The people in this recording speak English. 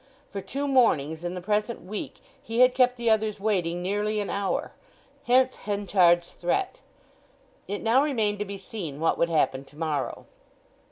For two mornings in the present week he had kept the others waiting nearly an hour; hence Henchard's threat. It now remained to be seen what would happen to morrow.